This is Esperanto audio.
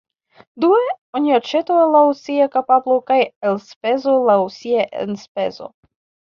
Due, oni aĉetu laŭ sia kapablo kaj elspezu laŭ sia enspezo.